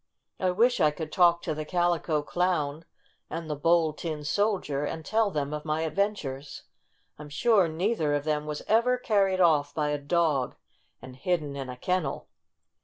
4 ' I wish I could talk to the Calico Clown and the Bold Tin Soldier, and tell them of my adventures. I'm sure neither of them was ever carried off by a dog and hidden in a kennel.